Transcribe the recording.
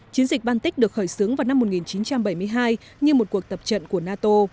chiến dịch baltic được khởi xướng vào năm một nghìn chín trăm bảy mươi hai như một cuộc tập trận của nato